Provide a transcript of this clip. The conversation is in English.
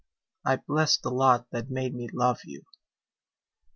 I bless the lot that made me love you.